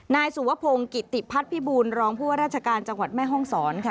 นายสุวพงศ์กิติพัฒนภิบูรณรองผู้ว่าราชการจังหวัดแม่ห้องศรค่ะ